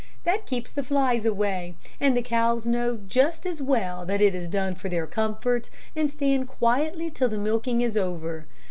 That keeps the flies away, and the cows know just as well that it is done for their comfort, and stand quietly till the milking is over.